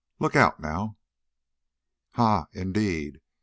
"Look out, now!" "Ha! Indeed!